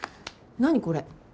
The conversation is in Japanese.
何これ？